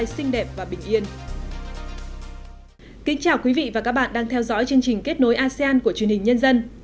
xin chào quý vị và các bạn đang theo dõi chương trình kết nối asean của truyền hình nhân dân